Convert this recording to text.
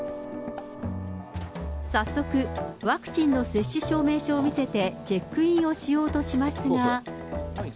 早速、ワクチンの接種証明書を見せて、チェックインをしようとしますが。